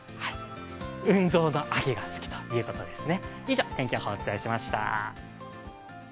運動の秋が好きだということですね。